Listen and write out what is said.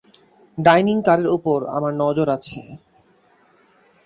Dining কারের উপর আমার নজর আছে।